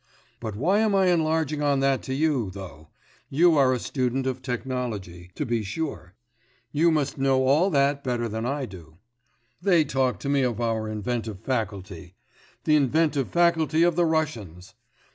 But why am I enlarging on that to you, though; you are a student of technology, to be sure, you must know all that better than I do. They talk to me of our inventive faculty! The inventive faculty of the Russians!